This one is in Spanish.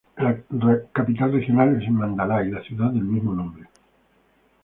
La capital regional es Mandalay, la ciudad del mismo nombre.